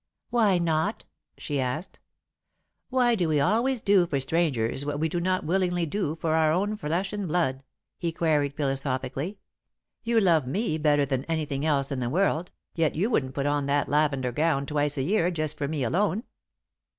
"Why not?" she asked. "Why do we always do for strangers what we do not willingly do for our own flesh and blood?" he queried, philosophically. "You love me better than anything else in the world, yet you wouldn't put on that lavender gown twice a year, just for me alone.